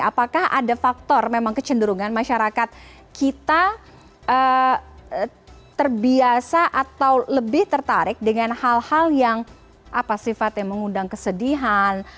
apakah ada faktor memang kecenderungan masyarakat kita terbiasa atau lebih tertarik dengan hal hal yang apa sifatnya mengundang kesedihan